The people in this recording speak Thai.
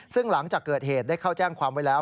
ซึ่งหลังจากเกิดเหตุได้เข้าแจ้งความไว้แล้ว